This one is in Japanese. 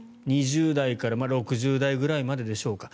２０代から６０代ぐらいまででしょうか。